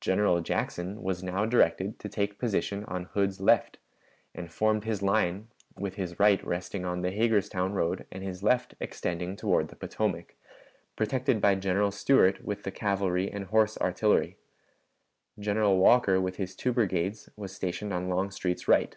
General Jackson was now directed to take position on Hood's left, and formed his line with his right resting on the Hagerstown road and his left extending toward the Potomac, protected by General Stuart with the cavalry and horse artillery. General Walker with his two brigades was stationed on Longstreet's right.